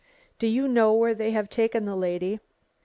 "Do you know where they have taken the lady?"